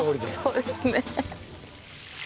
そうですね。